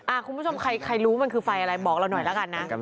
อ่าคุณผู้ชมใครใครรู้มันคือไฟอะไรบอกเราหน่อยละกัน